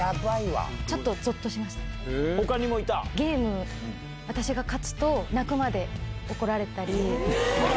ゲーム、私が勝つと、泣くまで怒られたり。